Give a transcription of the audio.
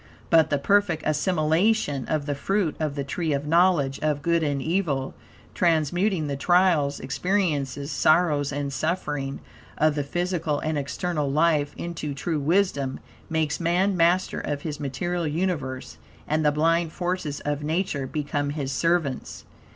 But, the perfect assimilation of the fruit of the "Tree of Knowledge of Good and Evil;" transmuting the trials, experiences, sorrows, and suffering of the physical and external life into true wisdom; makes man master of his material universe; and the blind forces of Nature become his servants.